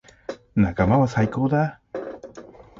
仲間は最高だ。